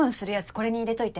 これに入れといて。